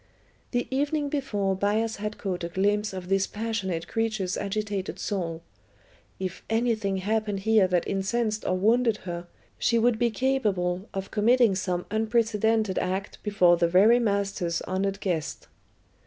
The evening before Bias had caught a glimpse of this passionate creature's agitated soul. If anything happened here that incensed or wounded her she would be capable of committing some unprecedented act before the very master's honoured guest.